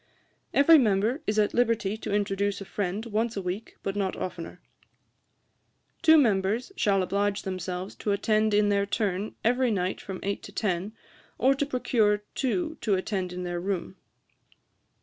'Every member is at liberty to introduce a friend once a week, but not oftener. 'Two members shall oblige themselves to attend in their turn every night from eight to ten, or to procure two to attend in their room.